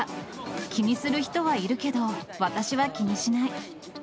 気にする人はいるけど、私は気にしない。